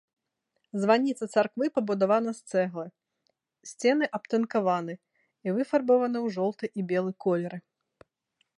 Званіца царквы пабудавана з цэглы, сцены абтынкаваны і выфарбаваны ў жоўты і белы колеры.